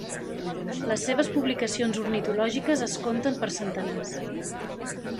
Les seves publicacions ornitològiques es conten per centenars.